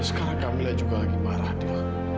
sekarang camilla juga lagi marah dil